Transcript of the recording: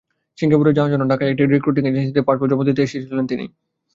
সিঙ্গাপুরে যাওয়ার জন্য ঢাকায় একটি রিক্রুটিং এজেন্সিতে পাসপোর্ট জমা দিতে এসেছিলেন তিনি।